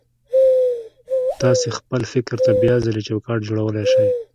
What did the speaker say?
تاسې خپل فکر ته بيا ځلې چوکاټ جوړولای شئ.